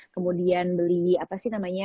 kemudian beli apa sih namanya